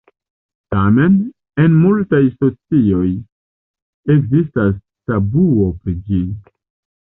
Tamen, en multaj socioj ekzistas tabuo pri ĝi.